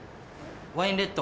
ワインレッド。